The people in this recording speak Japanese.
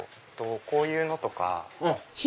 こういうのとか。